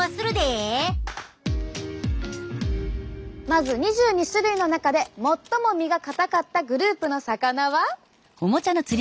まず２２種類の中で最も身がかたかったグループの魚は。